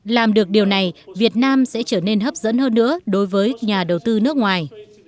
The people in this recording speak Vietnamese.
làm được điều này việt nam sẽ trở nên hấp dẫn hơn nữa đối với nhà đầu tư nước ngoài